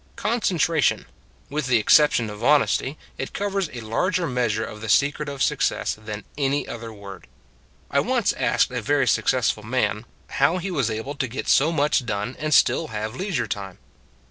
Concentration with the exception of honesty, it covers a larger measure of the secret of success than any other word. I once asked a very successful man how ia6 It s a Good Old World he was able to get so much done and still have leisure time.